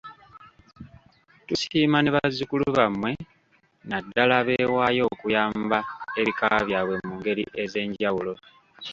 Tusiima ne bazzukulu bammwe naddala abeewaayo okuyamba ebika byabwe mu ngeri ez'enjawulo.